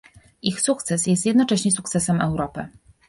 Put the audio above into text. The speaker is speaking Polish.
Ich sukces jest jednocześnie sukcesem Europy